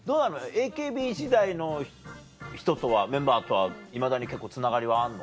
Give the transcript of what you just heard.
ＡＫＢ時代の人とはメンバーとはいまだに結構つながりはあんの？